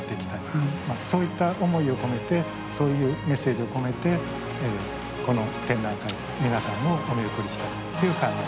そういった思いを込めてそういうメッセージを込めてこの展覧会皆さんをお見送りしたいという考え。